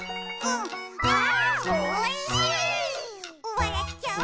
「わらっちゃう」